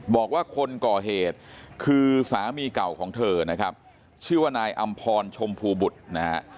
บอกว่าคนก่อเหตุคือสามีเก่าของเธอนะครับชื่อว่านายอำพรชมพูบุตรนะฮะ